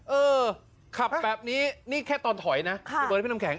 เออขับแบบนี้นี่แค่ตอนถอยนะ